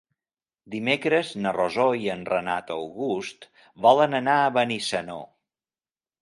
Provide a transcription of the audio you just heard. Dimecres na Rosó i en Renat August volen anar a Benissanó.